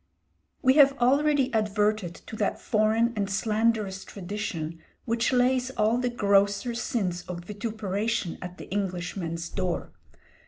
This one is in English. We have already adverted to that foreign and slanderous tradition which lays all the grosser sins of vituperation at the Englishman's door.